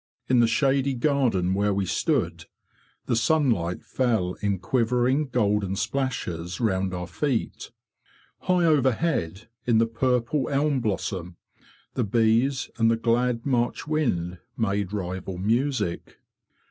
In the shady garden where we stood, the sunlight fell in quivering golden splashes round our feet. High overhead, in the purple elm blossom, the bees and the glad March wind made rival music.